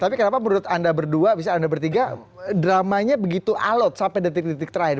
tapi kenapa menurut anda berdua bisa anda bertiga dramanya begitu alot sampai detik detik terakhir